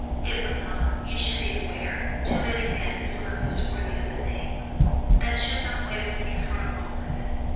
It would not, you should be aware, to any man whose love was worthy of the name. That should not weigh with you for a moment.